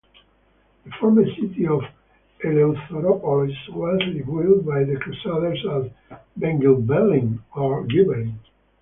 The former city of Eleutheropolis was rebuilt by the Crusaders as Bethgibelin or Gibelin.